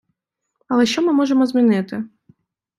Але що ми можемо змінити?